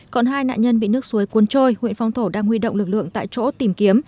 còn hai nạn nhân bị nước suối cuốn trôi huyện phong thổ đang huy động lực lượng tại chỗ tìm kiếm